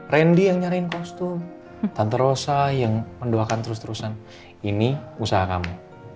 randy yang nyariin kostum tante rosa yang mendoakan terus terusan ini usaha kamu